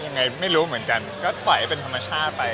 ยังไงไม่รู้เหมือนกันก็ปล่อยเป็นธรรมชาติไป